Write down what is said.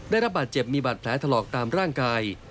ได้รับบาดเจ็บมีบาดแผลถลอกตามร่างกาย